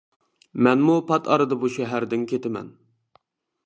مەنمۇ پات ئارىدا بۇ شەھەردىن كېتىمەن.